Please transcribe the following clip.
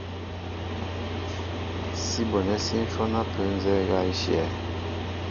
Sí bonɛ́ sí ǹhwɔ́n ápə́ nzɛ́ɛ́ ŋgá í shyɛ̄.